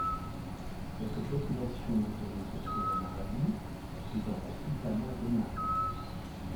Quelques populations isolées se trouvent en Arabie et dans la sultanat d'Oman.